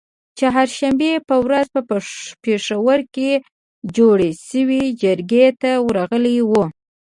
د چهارشنبې په ورځ په پیښور کې جوړی شوې جرګې ته ورغلي وو